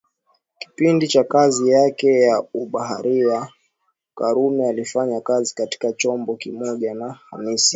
Kipindi Cha kazi yake ya ubaharia karume alifanya kazi katika chombo kimoja na Khamis